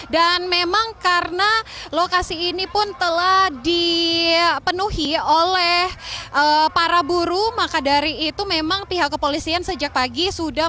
dan memang karena lokasi ini pun telah dipenuhi oleh para buruh maka dari itu memang pihak kepolisian sejak pagi sudah mengambil